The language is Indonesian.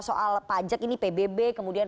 soal pajak ini pbb kemudian